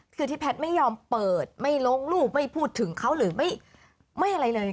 คือที่แพทย์ไม่ยอมเปิดไม่ลงรูปไม่พูดถึงเขาหรือไม่อะไรเลย